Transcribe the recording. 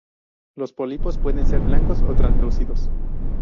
Los pólipos pueden ser blancos o translúcidos.